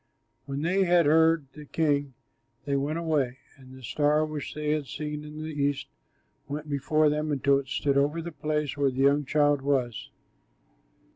When they had heard the king, they went away, and the star which they had seen in the east went before them until it stood over the place where the young child was.